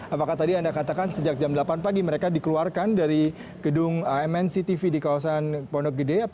apakah tadi anda katakan sejak jam delapan pagi mereka dikeluarkan dari gedung mnctv di kawasan pondok gede